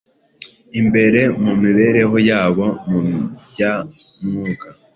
imbere mu mibereho yabo mu bya Mwuka: